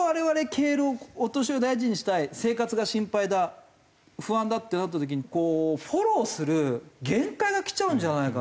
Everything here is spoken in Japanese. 敬老お年寄りを大事にしたい生活が心配だ不安だってなった時にフォローする限界がきちゃうんじゃないかなと。